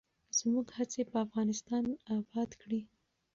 زموږ هڅې به افغانستان اباد کړي.